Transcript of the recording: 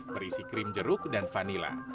berisi krim jeruk dan vanila